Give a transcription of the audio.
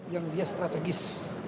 yang dia strategis